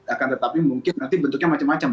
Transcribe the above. akan tetapi mungkin nanti bentuknya macam macam